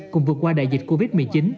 cùng vượt qua đại dịch covid một mươi chín